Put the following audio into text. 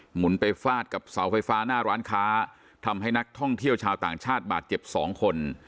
หมุนไปฟาดกับเสาไฟฟ้าหน้าร้านค้าทำให้นักท่องเที่ยวชาวต่างชาติบาดเจ็บสองคน